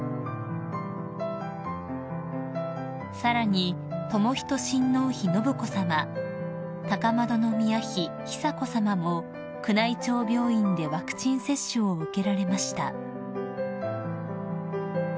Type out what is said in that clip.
［さらに仁親王妃信子さま高円宮妃久子さまも宮内庁病院でワクチン接種を受けられました］